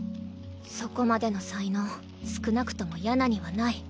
そこまでの才能少なくともヤナにはない。